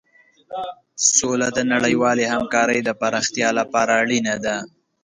سوله د نړیوالې همکارۍ د پراختیا لپاره اړینه ده.